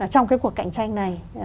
trong cái cuộc cạnh tranh này